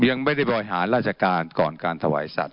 ยังไม่ได้บริหารราชการก่อนการถวายสัตว